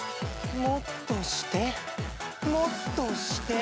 もっとしてもっとして。